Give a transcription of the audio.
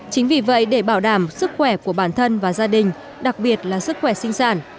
chính vì vậy để bảo đảm sức khỏe của bản thân và gia đình đặc biệt là sức khỏe sinh sản